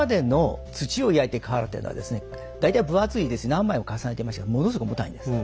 何枚も重ねてましたからものすごく重たいんです。